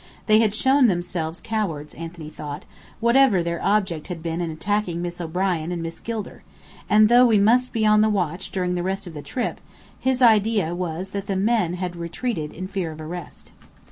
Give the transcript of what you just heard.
They had shown themselves cowards, Anthony thought, whatever their object had been in attacking Miss O'Brien and Miss Gilder: and though we must be on the watch during the rest of the trip, his idea was that the men had retreated in fear of arrest.